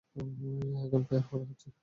এখন ফায়ার করা হচ্ছে!